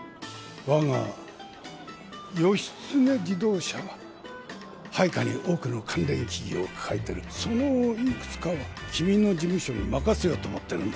我がヨシツネ自動車は配下に多くの関連企業を抱えてるそのいくつかは君の事務所に任せようと思ってるんだ